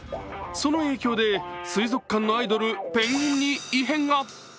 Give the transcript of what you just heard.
その影響で水族館のアイドルペンギンに異変が。